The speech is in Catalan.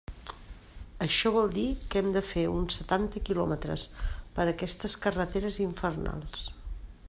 Això vol dir que hem de fer uns setanta quilòmetres per aquestes carreteres infernals.